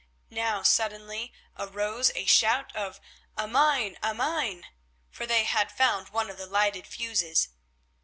Now suddenly arose a shout of "A mine! a mine!" for they had found one of the lighted fuses.